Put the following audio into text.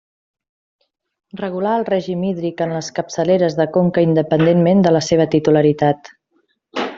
Regular el règim hídric en les capçaleres de conca independentment de la seva titularitat.